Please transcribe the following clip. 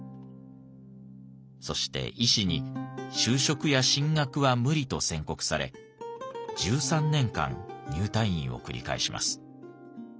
そして医師に「就職や進学は無理」と宣告され１３年間入退院を繰り返します。